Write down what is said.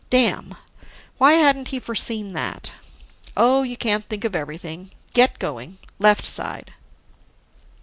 Damn! Why hadn't he foreseen that? Oh, you can't think of everything. Get going, left side.